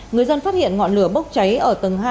người dân phát hiện ngọn lửa bốc cháy ở tầng hai